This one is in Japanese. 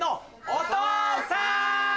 お父さん！